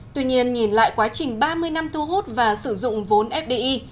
tuy nhiên nhìn lại quá trình ba mươi năm thu hút và sử dụng vốn fdi